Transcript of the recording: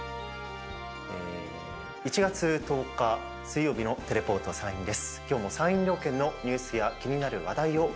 １月１０日水曜日のテレポート山陰です。